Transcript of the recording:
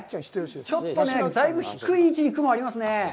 ちょっとね、だいぶ低い位置に雲がありますね。